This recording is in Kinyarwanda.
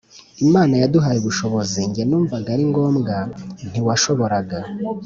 Imana yaduhaye ubushobozi njye numvaga ari ngombwa Ntiwashoboraga